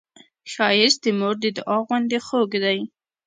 ښایست د مور د دعا غوندې خوږ دی